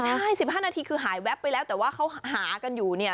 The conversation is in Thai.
ใช่๑๕นาทีคือหายแวบไปแล้วแต่ว่าเขาหากันอยู่เนี่ย